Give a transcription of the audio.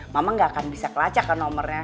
mama gak akan bisa kelacakan nomornya